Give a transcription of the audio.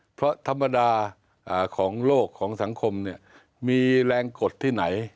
เพราะธรรมดาของโลกของสังคมมีแรงกดที่ไหน